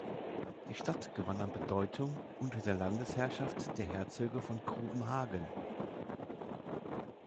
Die Stadt gewann an Bedeutung unter der Landesherrschaft der Herzöge von Grubenhagen.